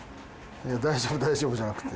いや「大丈夫大丈夫」じゃなくて。